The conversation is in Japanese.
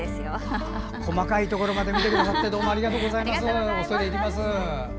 細かいところまで見てくださってありがとうございます。